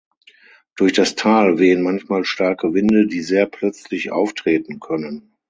Durch das Tal wehen manchmal starke Winde, die sehr plötzlich auftreten können.